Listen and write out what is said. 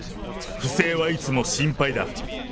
不正はいつも心配だ。